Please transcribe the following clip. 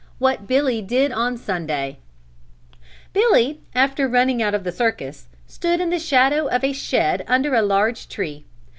What Billy Did on Sunday Billy, after running out of the circus, stood in the shadow of a shed under a large tree.